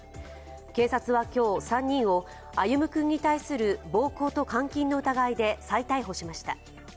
警察は今日、３人を歩夢君に対する暴行と監禁の疑いで再逮捕しました。